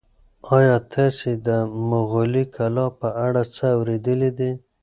ایا تاسي د مغولي کلا په اړه څه اورېدلي دي؟